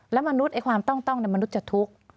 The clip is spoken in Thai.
แล้วมนุษย์ไอ้ความต้องเนี่ยมนุษย์จะทุกข์